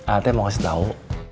ate mau kasih tau